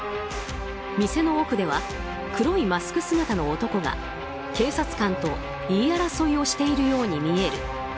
店の奥では黒いマスク姿の男が警察官と言い争いをしているように見える。